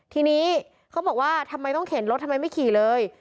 ทีนี้เขาบอกว่าทำไมต้องเข็นรถทำไมไม่ขี่เลย